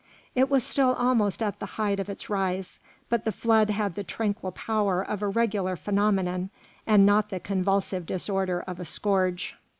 It was still almost at the height of its rise, but the flood had the tranquil power of a regular phenomenon, and not the convulsive disorder of a scourge.